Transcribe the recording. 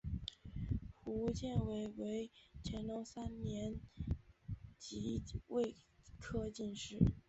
胡建伟为乾隆三年己未科进士。